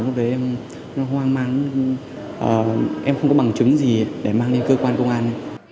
lúc đấy em hoang mang em không có bằng chứng gì để mang lên cơ quan công an